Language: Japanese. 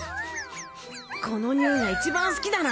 このにおいがいちばん好きだな。